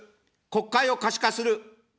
国会を可視化する。